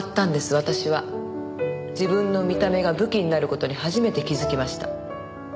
私は自分の見た目が武器になる事に初めて気づきました。